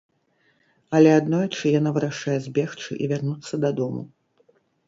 Але аднойчы яна вырашае збегчы і вярнуцца дадому.